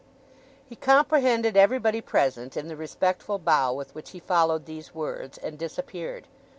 He comprehended everybody present, in the respectful bow with which he followed these words, and disappeared.